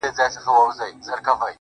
مرگه د هغه خوب تعبير چي په لاسونو کي دی